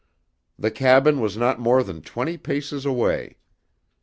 The cabin was not more than twenty paces away.